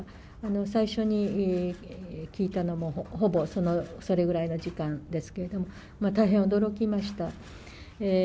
最初に聞いたのもほぼそれぐらいの時間ですけれども、大変驚きました。